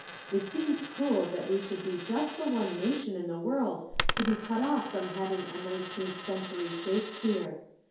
It seems cruel that we should be just the one nation in the world to be cut off from having a nineteenth century Shakespeare.